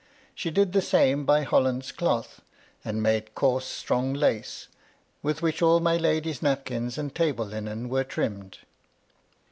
She did the same by Hollands cloth, and made coarse strong lace, with which all my lady's napkins and table linen were trimmed.